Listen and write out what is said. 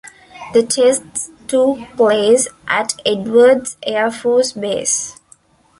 The tests took place at Edwards Air Force Base.